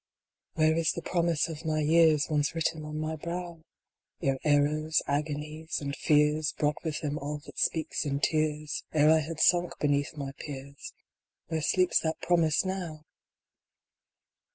"INHERE is the promise of my years ; Once written on my brow ? Ere errors, agonies and fears Brought with them all that speaks in tears, Ere I had sunk beneath my peers ; Where sleeps that promise now